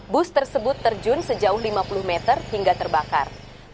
bus tersebut terjun sejauh lima puluh meter hingga terbakar